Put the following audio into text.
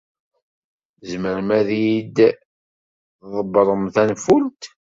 Tzemrem ad iyi-d-tḍebbrem tanfult?